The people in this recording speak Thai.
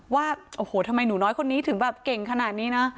ว่าโอ้โหทำไมหนูน้อยคนนี้ถึงแบบเก่งขนาดนี้นะ